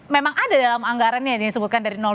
memang ada dalam anggaran yang disebutkan dari dua